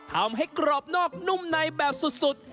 ทำให้กรอบนอกนุ่มในแบบสุด